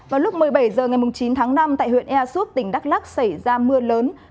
vào lúc một mươi bảy h ngày chín tháng năm tại huyện ea súp tỉnh đắk lắc xảy ra mưa lớn